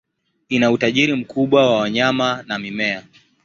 Ina utajiri mkubwa wa wanyama na mimea.